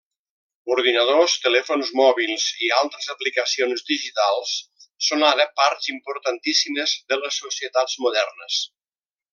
Ordinadors, telèfons mòbils i altres aplicacions digitals són ara parts importantíssimes de les societats modernes.